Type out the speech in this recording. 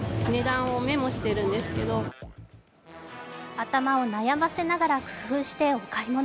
頭を悩ませながら工夫してお買い物。